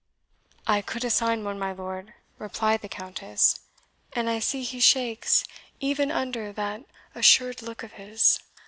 "I could assign one, my lord," replied the Countess; "and I see he shakes even under that assured look of his.